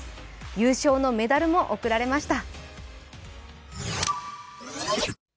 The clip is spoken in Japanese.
優勝のメダルも贈られました。